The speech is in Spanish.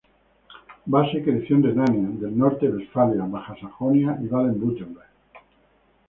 Basse creció en Renania del Norte-Westfalia, Baja Sajonia y Baden-Wurtemberg.